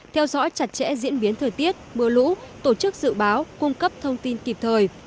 theo dõi chặt chẽ diễn biến thời tiết mưa lũ tổ chức dự báo cung cấp thông tin kịp thời